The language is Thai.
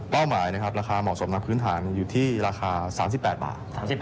หมายนะครับราคาเหมาะสมทางพื้นฐานอยู่ที่ราคา๓๘บาท